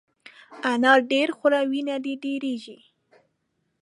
انار ډېر خوره ، وینه دي ډېرېږي !